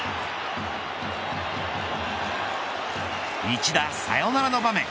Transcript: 一打サヨナラの場面。